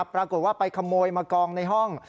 ปรากฏว่าไปขโมยมากองในห้อง